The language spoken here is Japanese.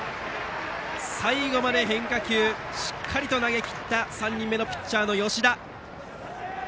最後まで変化球しっかりと投げきった３人目のピッチャーの吉田。